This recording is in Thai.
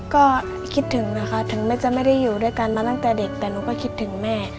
ก็คิดถึงนะคะถึงแม่จะไม่ได้อยู่ด้วยกันมาตั้งแต่เด็กแต่หนูก็คิดถึงแม่